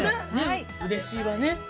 ◆うれしいわね。